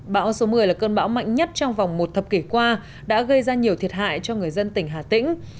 bão số một mươi là cơn bão mạnh nhất trong vòng một thập kỷ qua đã gây ra nhiều thiệt hại cho người dân tỉnh hà tĩnh